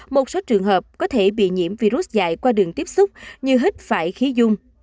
một số trường hợp có thể bị nhiễm virus dạy qua đường tiếp xúc như hít phải khí dung